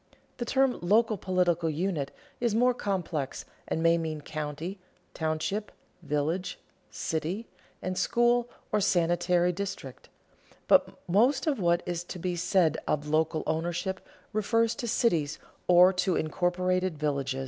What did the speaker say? The term local political unit is more complex and may mean county, township, village, city, and school or sanitary district; but most of what is to be said of local ownership refers to cities or to incorporated villages.